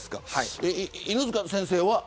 犬塚先生は。